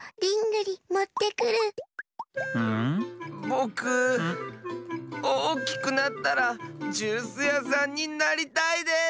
ぼくおおきくなったらジュースやさんになりたいです！